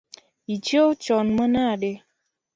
Ichieo chon manade?